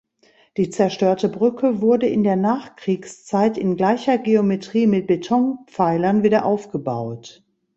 Die zerstörte Brücke wurde in der Nachkriegszeit in gleicher Geometrie mit Betonpfeilern wiederaufgebaut.